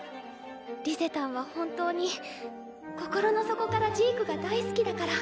リゼたんは本当に心の底からジークが大好きだから。